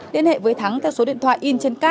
liên hệ với thắng theo số điện thoại